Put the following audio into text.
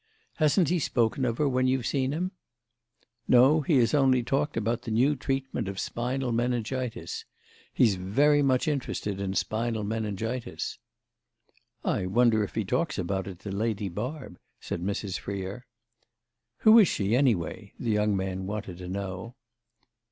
Hasn't he spoken of her when you've seen him?" "No, he has only talked about the new treatment of spinal meningitis. He's very much interested in spinal meningitis." "I wonder if he talks about it to Lady Barb," said Mrs. Freer. "Who is she anyway?" the young man wanted to know.